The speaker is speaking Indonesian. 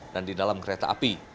dan di dalam kereta api